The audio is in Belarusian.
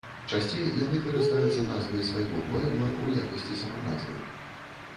Часцей яны карыстаюцца назвай свайго пуэбла ў якасці саманазвы.